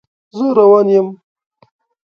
زه روان یم